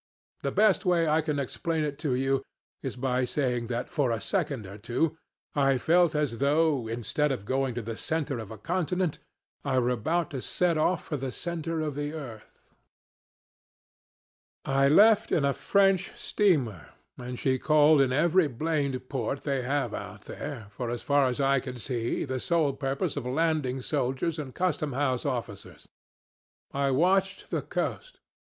The best way I can explain it to you is by saying that, for a second or two, I felt as though, instead of going to the center of a continent, I were about to set off for the center of the earth. "I left in a French steamer, and she called in every blamed port they have out there, for, as far as I could see, the sole purpose of landing soldiers and custom house officers. I watched the coast.